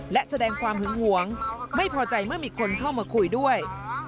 และแสดงความหึงหวงไม่พอใจเมื่อมีคนเข้ามาคุยด้วย